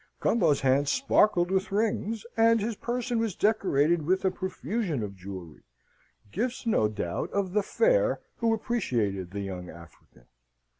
Gumbo's hand sparkled with rings, and his person was decorated with a profusion of jewellery gifts, no doubt, of the fair who appreciated the young African.